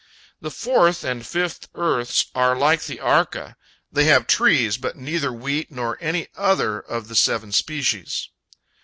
The fourth and fifth earths are like the Arka; they have trees, but neither wheat nor any other of the seven species.